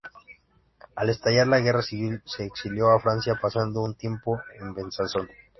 Al estallar la Guerra Civil, se exilió a Francia, pasando un tiempo en Besanzón.